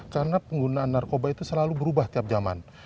karena penggunaan narkoba itu selalu berubah tiap zaman